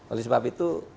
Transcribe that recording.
oleh sebab itu